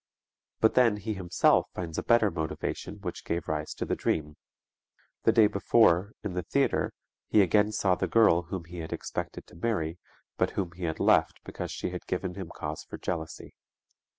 But then he himself finds a better motivation which gave rise to the dream. The day before, in the theatre, he again saw the girl whom he had expected to marry but whom he had left because she had given him cause for jealousy.